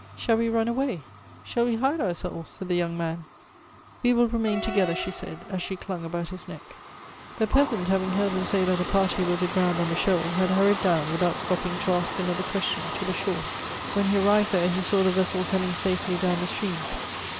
' Shall we run away? shall we hide ourselves?' said the young man. 'We will remain together,' she said, as she clung about his neck. " The peasant having heard them say that a party was aground on the shoal, had hurried down, without stop ]nng to ask another question, to the shore. When he arrived there, he saw the vessel coming safely down the stream.